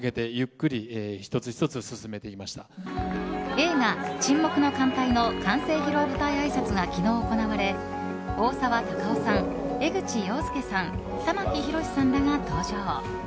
映画「沈黙の艦隊」の完成披露舞台あいさつが昨日、行われ大沢たかおさん、江口洋介さん玉木宏さんらが登場。